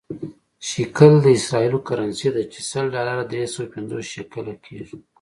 شکل د اسرائیلو کرنسي ده چې سل ډالره درې سوه پنځوس شکله کېږي.